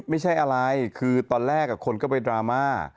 ไม่ใช่อะไรคือตอนแรกคนก็ไปดราม่า